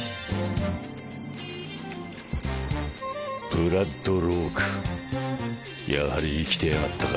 ブラッド・ロークやはり生きてやがったか。